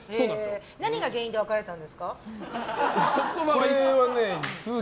何が原因で別れたんですか？